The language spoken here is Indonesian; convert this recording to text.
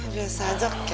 biasa aja kek